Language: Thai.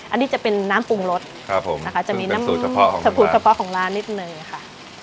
อันนี้จะเป็นน้ำปรุงรสครับผมนะคะจะมีน้ำสบูดเฉพาะของร้านนิดนึงค่ะ